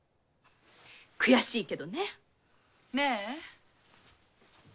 悔しいけどね。ねぇ。